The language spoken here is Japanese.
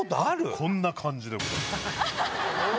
こんな感じでございます。